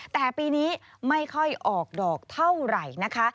แต่ปีนี้ไม่ค่อยออกดอกเท่าไหร่นะคะ